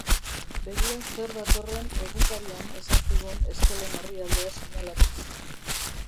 Begira zer datorren egunkarian esan zigun eskelen orrialdea seinalatuz.